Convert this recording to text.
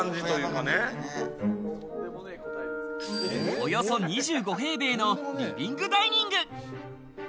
およそ２５平米のリビング・ダイニング。